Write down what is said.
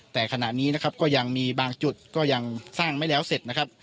แต่ขณะนี้นะครับก็ยังมีบางจุดก็ยังสร้างไม่แล้วเสร็จนะครับ